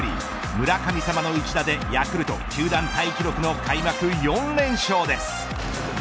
村神様の一打でヤクルト球団タイ記録の開幕４連勝です。